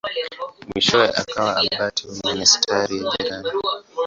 Mwishowe akawa abati wa monasteri ya jirani.